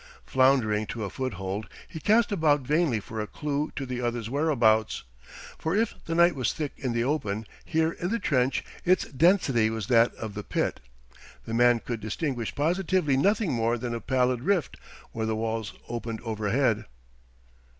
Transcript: Floundering to a foothold, he cast about vainly for a clue to the other's whereabouts; for if the night was thick in the open, here in the trench its density was as that of the pit; the man could distinguish positively nothing more than a pallid rift where the walls opened overhead.